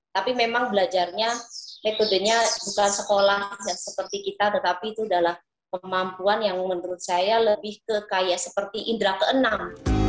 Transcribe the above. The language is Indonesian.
tapi memang belajarnya metodenya bukan sekolah seperti kita tetapi itu adalah kemampuan yang menurut saya lebih kekaya seperti indera keenam